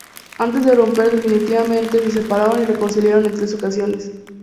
Antes de romper definitivamente, se separaron y reconciliaron en tres ocasiones.